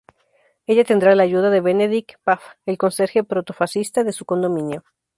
Ella tendrá la ayuda de Benedikt Pfaff, el conserje proto-fascista de su condominio.